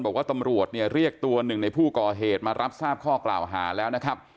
บอกว่าตำรวจเนี่ยเรียกตัวหนึ่งในผู้ก่อเหตุมารับทราบข้อกล่าวหาแล้วนะครับ